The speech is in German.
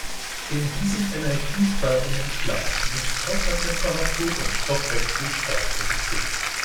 In diesem energiesparenden Schlaf sind Körpertemperatur und Stoffwechsel stark reduziert.